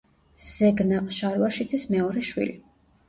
ზეგნაყ შარვაშიძის მეორე შვილი.